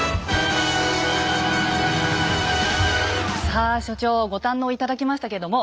さあ所長ご堪能頂きましたけども